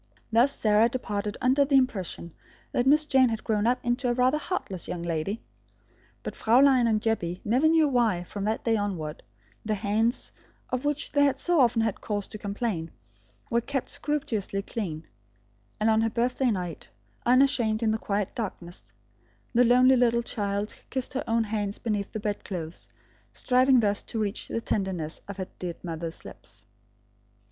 Thus Sarah departed under the impression that Miss Jane had grown up into a rather a heartless young lady. But Fraulein and Jebbie never knew why, from that day onward, the hands, of which they had so often had cause to complain, were kept scrupulously clean; and on her birthday night, unashamed in the quiet darkness, the lonely little child kissed her own hands beneath the bedclothes, striving thus to reach the tenderness of her dead mother's lips.